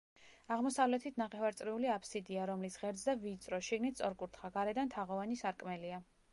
აღმოსავლეთით ნახევარწრიული აბსიდია, რომლის ღერძზე ვიწრო, შიგნით სწორკუთხა, გარედან თაღოვანი სარკმელია.